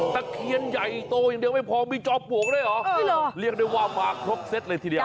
ตะเคียนใหญ่โตอย่างเดียวไม่พอมีจอมปลวกด้วยเหรอเรียกได้ว่ามาครบเซตเลยทีเดียว